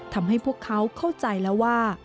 ทำให้พวกเขาเข้าใจแล้วว่า